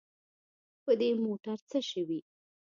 په دې موټر څه شوي.